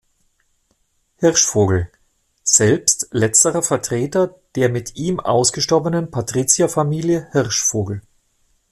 Hirschvogel; selbst letzter Vertreter der mit ihm ausgestorbenen Patrizierfamilie Hirschvogel.